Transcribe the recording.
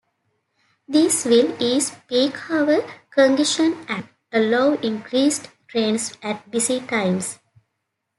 These will ease peak-hour congestion and allow increased trains at busy times.